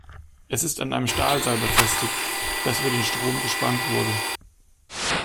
Es ist an einem Stahlseil befestigt, das über den Strom gespannt wurde.